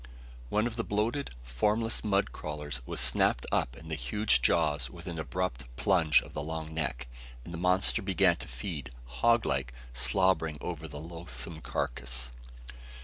One of the bloated, formless mud crawlers was snapped up in the huge jaws with an abrupt plunge of the long neck, and the monster began to feed, hog like, slobbering over the loathsome carcass.